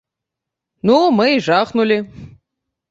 Ну, мы і жахнулі.